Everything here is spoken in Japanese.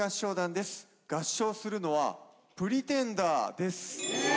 合唱するのは『Ｐｒｅｔｅｎｄｅｒ』です。